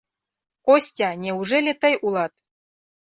— Костя, неужели тый улат?